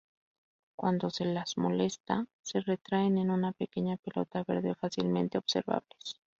Cuando se las molesta se retraen en una pequeña pelota verde, fácilmente observables.